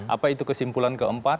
apa itu kesimpulan keempat